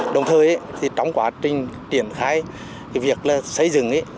đồng thời trong quá trình triển khai việc xây dựng